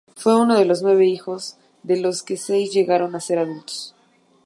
Fue uno de nueve hijos, de los que seis llegaron a ser adultos.